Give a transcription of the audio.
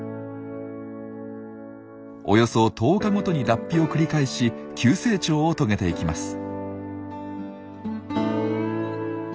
およそ１０日ごとに脱皮を繰り返し急成長を遂げていきます。